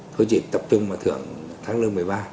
thôi chỉ tập trung mà thưởng tháng lương một mươi ba